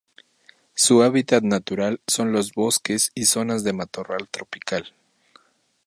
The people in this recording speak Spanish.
Su hábitat natural son los bosques y zonas de matorral tropical.